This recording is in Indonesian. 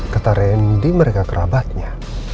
kata randy mereka kerabatnya